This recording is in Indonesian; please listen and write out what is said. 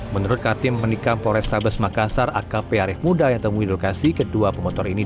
menurut ktm menikam polrestabes makassar akp arif muda yang temui lokasi kedua pemotor ini